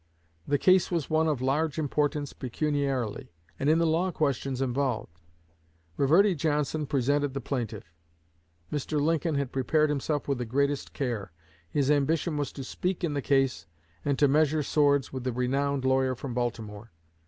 The case was one of large importance pecuniarily, and in the law questions involved. Reverdy Johnson represented the plaintiff. Mr. Lincoln had prepared himself with the greatest care; his ambition was to speak in the case, and to measure swords with the renowned lawyer from Baltimore.